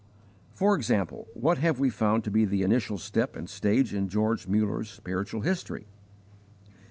For example, what have we found to be the initial step and stage in George Muller's spiritual history?